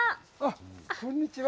あこんにちは！